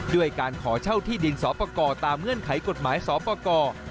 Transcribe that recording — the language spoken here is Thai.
ด้วยการขอเช่าที่ดินสอปกรตามเงื่อนไขกฎหมายสอปกร